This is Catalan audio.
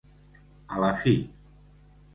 A la fi.